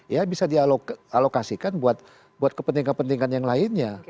ya bisa dialokasikan buat kepentingan kepentingan yang lainnya